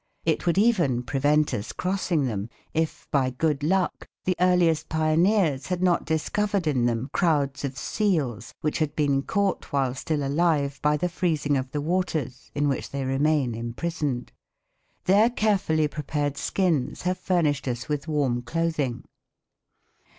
It would even prevent us crossing them if, by good luck, the earliest pioneers had not discovered in them crowds of seals which had been caught while still alive by the freezing of the waters in which they remain imprisoned. Their carefully prepared skins have furnished us with warm clothing.